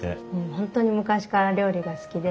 本当に昔から料理が好きで。